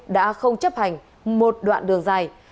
đã không chấp hành một đoạn đường dài